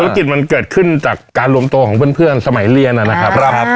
จิตมันเกิดขึ้นจากการรวมตัวของเพื่อนสมัยเรียนนะครับ